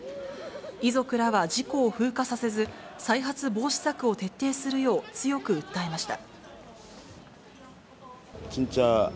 遺族らは事故を風化させず、再発防止策を徹底するよう、強く訴えました。